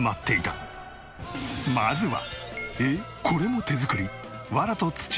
まずは。